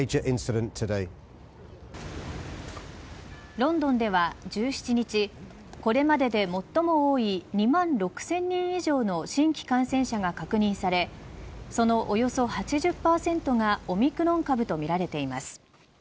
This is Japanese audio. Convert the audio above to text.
ロンドンでは１７日これまでで最も多い２万６０００人以上の新規感染者が確認されそのおよそ８０％がオミクロン株とみられています。